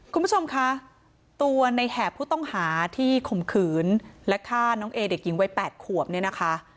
คุณผู้ชมคะตัวในแหบผู้ต้องหาที่ข่มขืนและฆ่าน้องเอเด็กหญิงวัย๘ขวบเนี่ยนะคะ